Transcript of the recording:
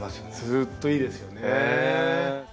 ずっといいですよね。